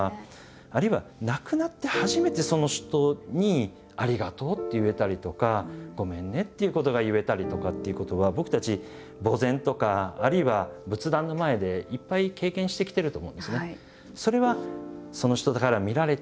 あるいは亡くなって初めてその人に「ありがとう」って言えたりとか「ごめんね」っていうことが言えたりとかっていうことは僕たち墓前とかあるいは仏壇の前でいっぱい経験してきてると思うんですね。